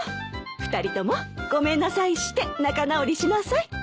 ２人ともごめんなさいして仲直りしなさい。